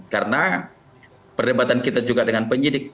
karena perdebatan kita juga dengan penyidik